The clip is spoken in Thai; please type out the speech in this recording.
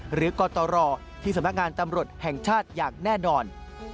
กตรที่สำนักงานตำรวจแห่งชาติอย่างแน่นอน